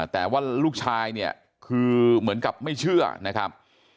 แต่ว่าลูกชายเนี่ยคือเหมือนกับไม่เชื่อนะครับ